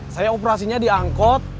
saya operasinya di angkot